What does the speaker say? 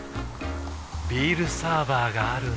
ビールサーバーがある夏。